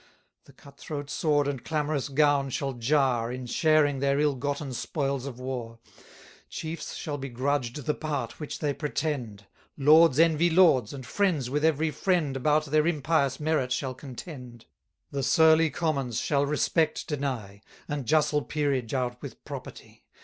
The cut throat sword and clamorous gown shall jar, In sharing their ill gotten spoils of war: Chiefs shall be grudged the part which they pretend; Lords envy lords, and friends with every friend About their impious merit shall contend. 310 The surly commons shall respect deny, And justle peerage out with property.